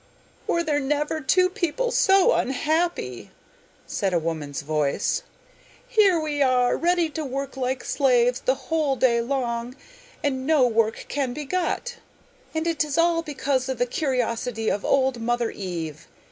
'Were there ever two people so unhappy!' said a woman's voice. 'Here we are, ready to work like slaves the whole day long, and no work can we get. And it is all because of the curiosity of old mother Eve!